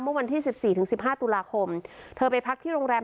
เมื่อวันที่สิบสี่ถึงสิบห้าตุลาคมเธอไปพักที่โรงแรม